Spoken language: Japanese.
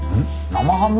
生ハム？